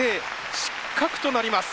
失格となります。